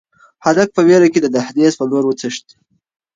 هلک په وېره کې د دهلېز په لور وتښتېد.